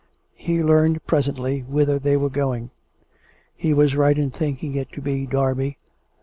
He learned presently whither they were going. He was right in thinking it to be Derby.